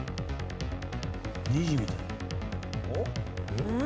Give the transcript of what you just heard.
うん？